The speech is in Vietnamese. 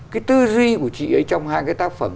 cái tư duy của chị ấy trong hai cái tác phẩm